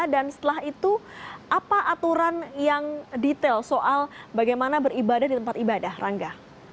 dan setelah itu apa aturan yang detail soal bagaimana beribadah di tempat ibadah rangga